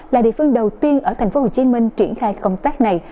là địa phương đầu tiên ở tp hcm triển khai công tác này